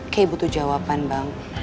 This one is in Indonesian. kay butuh jawaban bang